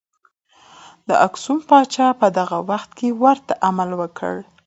د اکسوم پاچا په دغه وخت کې ورته عمل وکړ.